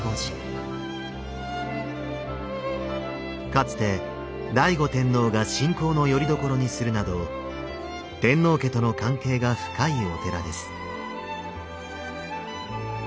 かつて醍醐天皇が信仰のよりどころにするなど天皇家との関係が深いお寺です。